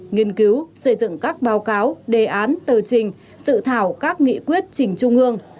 nghiên cứu xây dựng các báo cáo đề án tờ trình sự thảo các nghị quyết trình trung ương